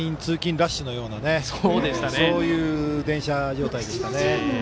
ラッシュのようなそういう電車状態でしたね。